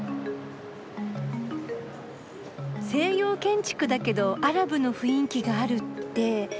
西洋建築だけどアラブの雰囲気があるって。